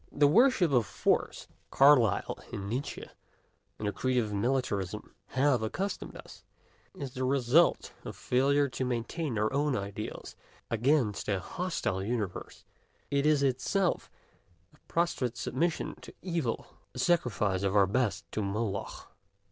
The worship of Force, to which Carlyle and Nietzsche and the creed of Militarism have accustomed us, is the result of failure to maintain our own ideals against a hostile universe: it is itself a prostrate submission to evil, a sacrifice of our best to Moloch.